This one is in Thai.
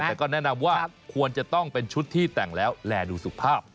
แต่ก็แนะนำว่าควรจะต้องเป็นชุดที่แต่งแล้วแหล่ดูสุภาพ